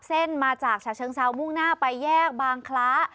เส้นมาจากฉะเชิงเซามุ่งหน้าไปแยกบางคล้า